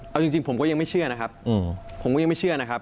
เอาจริงผมก็ยังไม่เชื่อนะครับผมก็ยังไม่เชื่อนะครับ